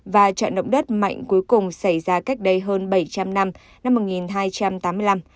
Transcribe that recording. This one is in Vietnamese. và trận động đất mạnh cuối cùng xảy ra cách đây hơn bảy trăm linh năm năm một nghìn hai trăm tám mươi năm